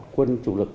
quân chủ lực